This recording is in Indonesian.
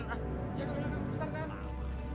iya kang dadang sebentar kang